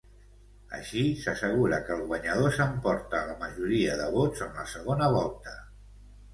Així s'assegura que el guanyador s'emporta la majoria de vots en la segona volta.